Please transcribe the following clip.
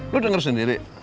lu denger sendiri